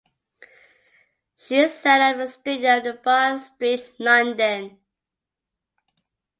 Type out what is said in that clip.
She set up a studio in Bond Street, London.